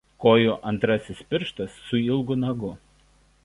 Kojų antrasis pirštas su ilgu nagu.